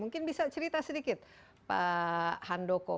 mungkin bisa cerita sedikit pak handoko